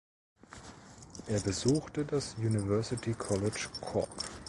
Er besuchte das University College Cork.